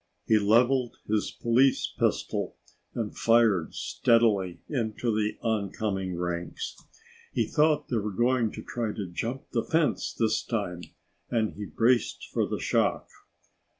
He leveled his police pistol and fired steadily into the oncoming ranks. He thought they were going to try to jump the fence this time, and he braced for the shock.